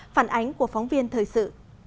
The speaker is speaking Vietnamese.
phản ánh của phóng viên thời sự